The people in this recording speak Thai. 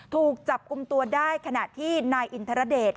ถูกจับกลุ่มตัวได้ขณะที่นายอินทรเดช